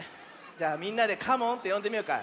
じゃあみんなでカモンってよんでみようか。